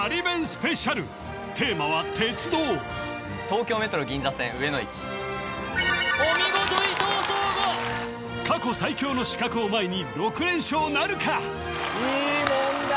スペシャルテーマは鉄道東京メトロ銀座線上野駅お見事伊藤壮吾過去最強の刺客を前に６連勝なるかいい問題